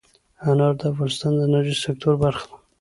انار د افغانستان د انرژۍ سکتور برخه ده.